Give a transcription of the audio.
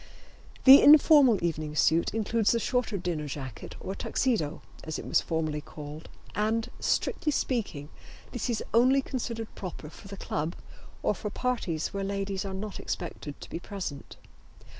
The informal evening suit includes the shorter dinner jacket or Tuxedo, as it was formerly called, and, strictly speaking, this is only considered proper for the club or for parties where ladies are not expected to be present.